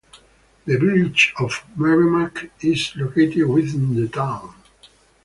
The Village of Merrimac is located within the town.